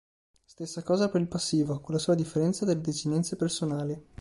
Stessa cosa per il passivo, con la sola differenza delle desinenze personali.